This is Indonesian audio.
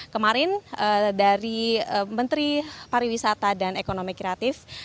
kemarin dari menteri pariwisata dan ekonomi kreatif